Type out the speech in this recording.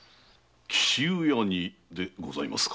紀州屋にでございますか。